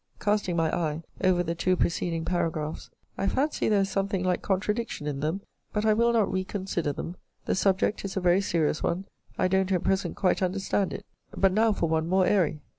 Casting my eye over the two preceding paragraphs, I fancy there is something like contradiction in them. But I will not reconsider them. The subject is a very serious one. I don't at present quite understand it. But now for one more airy.